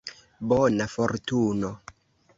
Bona fortuno.